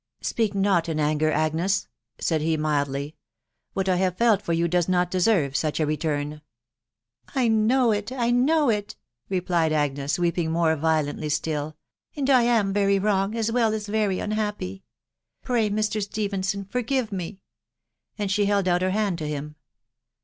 " Speak not in anger, Agnes !".... said he mildly. "' What I have felt for you does not deserve such a return." ." I know it, I know it," replied Agnes, weeping more violently still, " and I am very wrong, as well as very un happy. Pray, Mr. Stephenson, forgive me," and she held out her hand to him.